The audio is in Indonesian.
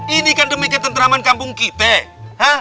ini kan demikian tenteraman kampung kita